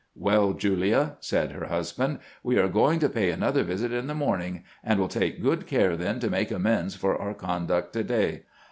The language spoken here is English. " "Well, Julia," said her husband, " we are going to pay another visit in the morning, and we '11 take good care then to make amends for our conduct to day."